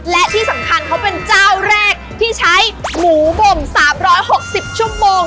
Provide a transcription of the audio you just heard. และที่สำคัญเขาเป็นเจ้าแรกที่ใช้หมูบ่ม๓๖๐ชั่วโมง